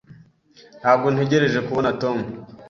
Ntabwo ntegereje kubona Tom.